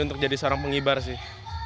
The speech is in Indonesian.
untuk jadi seorang pengibar sih